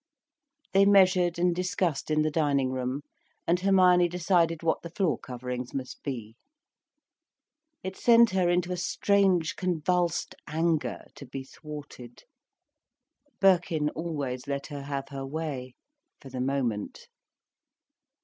They measured and discussed in the dining room, and Hermione decided what the floor coverings must be. It sent her into a strange, convulsed anger, to be thwarted. Birkin always let her have her way, for the moment.